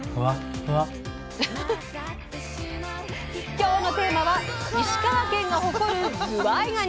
今日のテーマは石川県が誇る「ずわいがに」！